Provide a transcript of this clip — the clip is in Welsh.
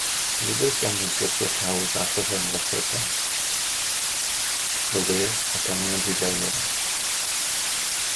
Nid oes ganddynt gyswllt hawdd â chyflenwad thrydan, y we, ac angenrheidiau eraill.